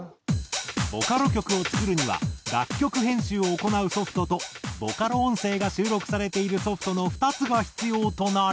ボカロ曲を作るには楽曲編集を行うソフトとボカロ音声が収録されているソフトの２つが必要となり。